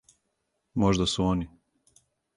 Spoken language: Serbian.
Можда су они.